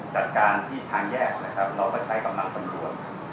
จัดการที่ทางแยกน้องก็ใช้กำลังปรับบวน